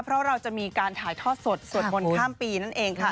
เพราะเราจะมีการถ่ายทอดสดสวดมนต์ข้ามปีนั่นเองค่ะ